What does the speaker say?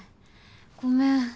ごめん。